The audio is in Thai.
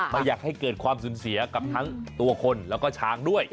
ไม่อยากให้เกิดความสูญเสียกับทั้งตัวคนแล้วก็ช้างด้วย